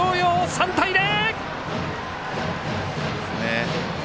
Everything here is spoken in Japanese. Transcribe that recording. ３対０！